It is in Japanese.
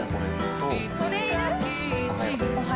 いつかキッチンを